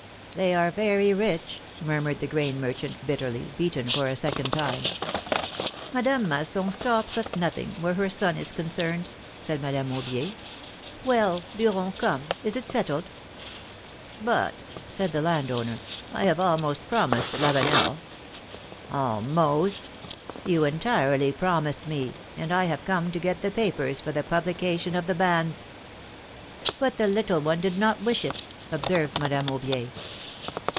'^ They are very rich,'^ murmured the grain merchant, bitterly, beaten for a second time. Madame Masson stops at nothing, where her son is concerned,'^ said Madame Aubier. ^AVell! Beuron, come, is it settled But,'^ said the landowner, I have almost promised Lavenel — ^^Almost ! You entirely promised me, and I have come to get the papers for the publication of the banns.^^ But the little one did not wish it ! observed Madame Aubier.